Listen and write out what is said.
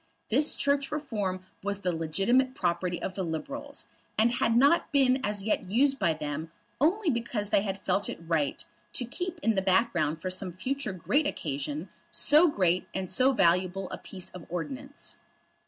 This Church Reform was the legitimate property of the Liberals, and had not been as yet used by them only because they had felt it right to keep in the background for some future great occasion so great and so valuable a piece of ordnance.